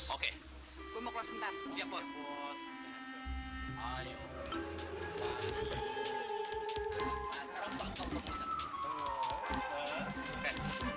aku mau bayar diri